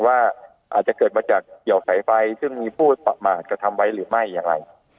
ว่าอาจจะเกิดมาจากเกี่ยวสายไฟซึ่งมีผู้ประมาทกระทำไว้หรือไม่อย่างไร